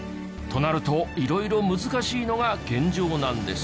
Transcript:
となると色々難しいのが現状なんです。